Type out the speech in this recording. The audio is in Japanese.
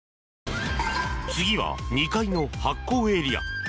次は２階の発酵エリア。